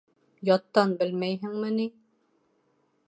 Яттан белмәйһең мени?